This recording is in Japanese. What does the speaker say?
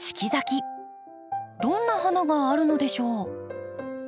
どんな花があるのでしょう。